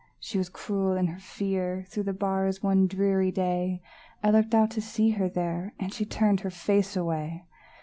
She was cruel in her fear; Through the bars one dreary day, I looked out to see her there, And she turned her face away!